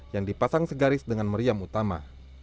yang dipasang segaris dengan meriam utama